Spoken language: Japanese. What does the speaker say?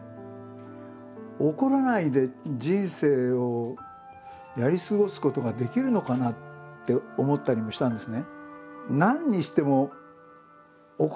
怒らないで人生をやり過ごすことができるのかなって思ったりもしたんですね。